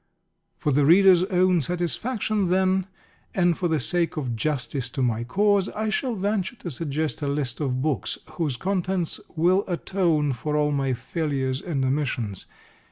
For the reader's own satisfaction, then, and for the sake of justice to my cause, I shall venture to suggest a list of books whose contents will atone for all my failures and omissions.